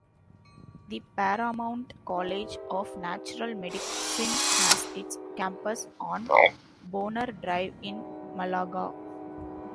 The Paramount College of Natural Medicine has its campus on Bonner Drive in Malaga.